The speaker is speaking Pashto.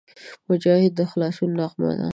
مجاهد د خلاصون نغمه ده.